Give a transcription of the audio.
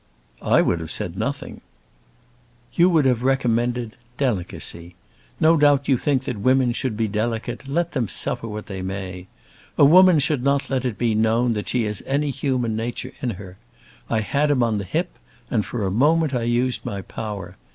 "I would have said nothing." "You would have recommended delicacy! No doubt you think that women should be delicate, let them suffer what they may. A woman should not let it be known that she has any human nature in her. I had him on the hip, and for a moment I used my power.